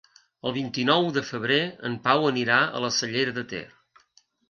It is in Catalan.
El vint-i-nou de febrer en Pau anirà a la Cellera de Ter.